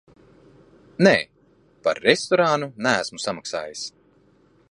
Nē, par restorānu neesmu samaksājis.